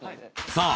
さあ